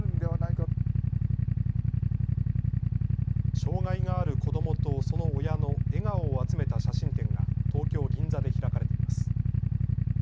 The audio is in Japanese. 障害がある子どもとその親の笑顔を集めた写真展が東京・銀座で開かれています。